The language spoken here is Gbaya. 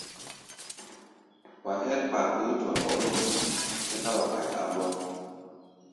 Wa hɛ́r kpakpé-tua mbɔ́ɗɔ́nu, sɛ́ká wa kaia á ŋgɔ́n.